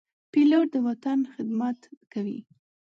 پیلوټ د وطن خدمت کوي.